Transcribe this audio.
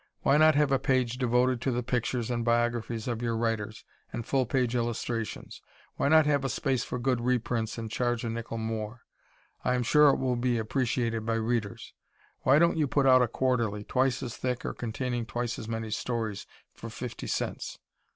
Why not have a page devoted to the pictures and biographies of your writers, and full page illustrations? Why not have a space for good reprints and charge a nickel more? I am sure it will be appreciated by readers. Why don't you put out a Quarterly, twice as thick or containing twice as many stories for fifty cents?